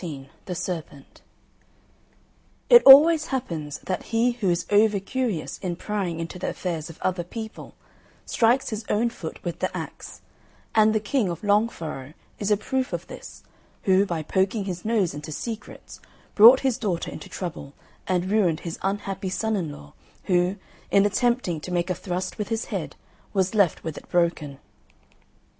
XIV THE SERPENT It always happens that he who is over curious in prying into the affairs of other people, strikes his own foot with the axe; and the King of Long Furrow is a proof of this, who, by poking his nose into secrets, brought his daughter into trouble and ruined his unhappy son in law who, in attempting to make a thrust with his head was left with it broken.